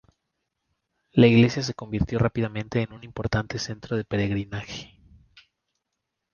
La Iglesia se convirtió rápidamente en un importante centro de peregrinaje.